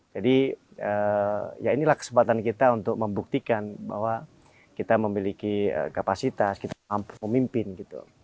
jadi ya inilah kesempatan kita untuk membuktikan bahwa kita memiliki kapasitas kita mampu memimpin gitu